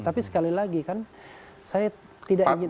tapi sekali lagi kan saya tidak ingin